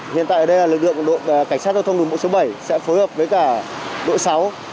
hiện tại đây là lực lượng cảnh sát giao thông đường bộ số bảy sẽ phối hợp với cả đội sáu